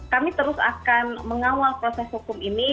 kami terus akan mengawal proses hukum ini